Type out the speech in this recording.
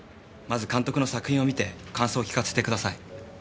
まず監督の作品を観て感想を聞かせてください。